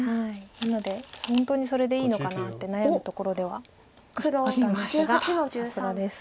なので本当にそれでいいのかなって悩むところではあったんですがさすがです。